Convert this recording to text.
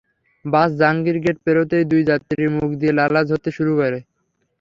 বাস Jahangir gate পেরোতেই দুই যাত্রীর মুখ দিয়ে লালা ঝরতে শুরু করে।